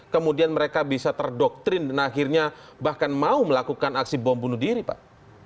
kemudian mereka bisa terdoktrin dan akhirnya bahkan mau melakukan aksi bom bunuh diri pak